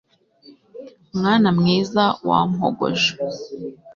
mwana mwiza wampogoje